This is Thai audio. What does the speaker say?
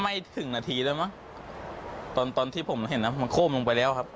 ไม่ถึงนาทีได้มั้ยตอนที่ผมเห็นมันโค่มลงไปแล้วครับ